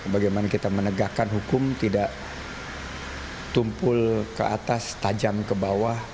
bagaimana kita menegakkan hukum tidak tumpul ke atas tajam ke bawah